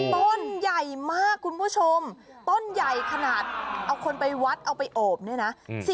ต้นใหญ่มากคุณผู้ชมต้นใหญ่ขนาดเอาคนไปวัดเอาไปโอบเนี่ยนะ